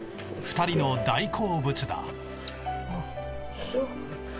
２人の大好物だ。